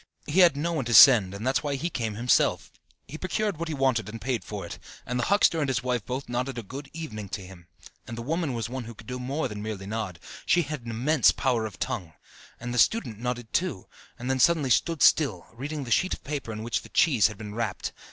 He had no one to send, and that's why he came himself. He procured what he wanted and paid for it, and the huckster and his wife both nodded a "good evening" to him; and the woman was one who could do more than merely nod she had an immense power of tongue! And the student nodded too, and then suddenly stood still, reading the sheet of paper in which the cheese had been wrapped.